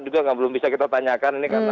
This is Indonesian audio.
juga belum bisa kita tanyakan ini karena